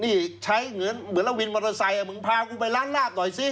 นี่ใช้เหมือนแล้ววินมอเตอร์ไซค์มึงพากูไปร้านลาบหน่อยสิ